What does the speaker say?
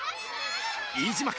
飯島君